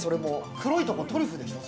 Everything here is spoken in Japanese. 黒いところ、トリュフでしょう？